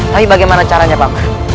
tapi bagaimana caranya pak